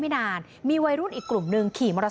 พี่บ๊ายพี่บ๊ายพี่บ๊ายพี่บ๊าย